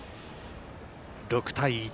６対１。